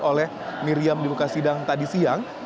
oleh miriam di muka sidang tadi siang